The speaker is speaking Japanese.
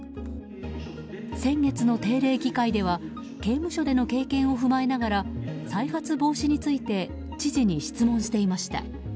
先月の定例議会では刑務所での経験を踏まえながら再発防止について知事に質問していました。